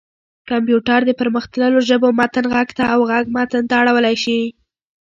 کمپيوټر د پرمختلليو ژبو متن غږ ته او غږ متن ته اړولی شي.